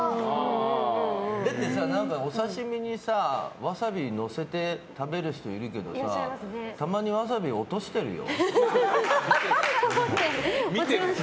だって、お刺し身にワサビをのせて食べる人いるけどたまにワサビ落としてるよ。